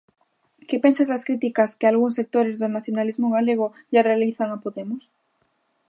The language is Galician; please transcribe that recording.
Que pensas das críticas que algúns sectores do nacionalismo galego lle realizan a Podemos?